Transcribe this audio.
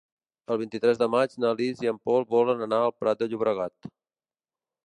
El vint-i-tres de maig na Lis i en Pol volen anar al Prat de Llobregat.